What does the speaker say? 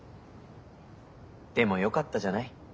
でもよかったじゃない？